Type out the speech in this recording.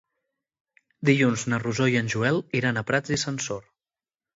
Dilluns na Rosó i en Joel iran a Prats i Sansor.